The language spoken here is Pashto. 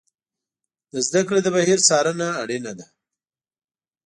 د زده کړې د بهیر څارنه اړینه ده.